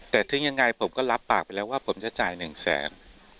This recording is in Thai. แต่ทิ้งยังไงผมก็รับปากไปแล้วว่าผมจะจ่ายหนึ่งแสน